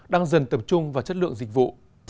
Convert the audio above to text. đang dần tập trung vào chất lượng dịch vụ